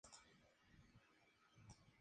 Para ello, se vale del sistema de puntuación Elo.